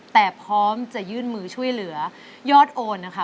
แต่พร้อมจะยื่นมือช่วยเหลือยอดโอนนะคะ